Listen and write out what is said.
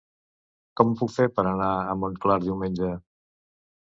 Com ho puc fer per anar a Montclar diumenge?